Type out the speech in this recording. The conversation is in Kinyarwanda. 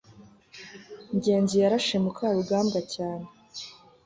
ngenzi yarashe mukarugambwa cyane